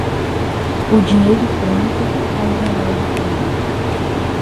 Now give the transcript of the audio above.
O dinheiro pronto é um remédio pronto.